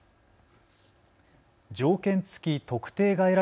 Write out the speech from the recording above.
条件付特定外来